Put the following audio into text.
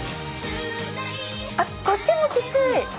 あっこっちもきつい！